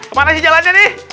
kemana sih jalannya nih